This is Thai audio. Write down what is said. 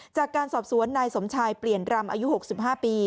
จากการสอบสวนนายสมชายเปลี่ยนรำอายุ๖๕ปี